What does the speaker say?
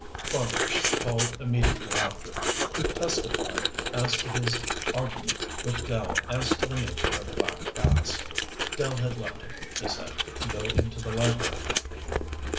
Fargo, called immediately after, testified as to his argument with Dell as to the nature of black bass. Dell had left him, he said, to go into the library.